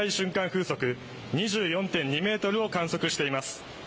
風速２４．２メートルを観測しています。